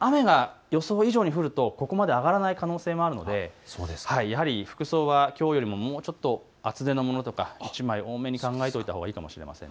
雨が予想以上に降るとここまで上がらない可能性もあるのでやはり服装はきょうよりも厚手のものとか１枚多めに考えておいたほうがいいかもしれません。